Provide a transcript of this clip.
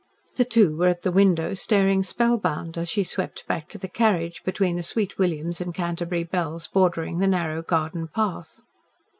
The two were at the window staring spellbound, as she swept back to the carriage between the sweet williams and Canterbury bells bordering the narrow garden path.